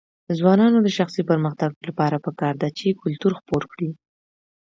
د ځوانانو د شخصي پرمختګ لپاره پکار ده چې کلتور خپور کړي.